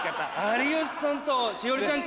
有吉さん！